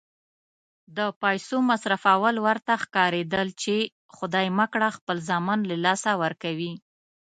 د پیسو مصرفول ورته ښکارېدل چې خدای مه کړه خپل زامن له لاسه ورکوي.